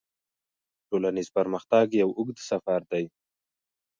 ټولنیز پرمختګ یو اوږد سفر دی.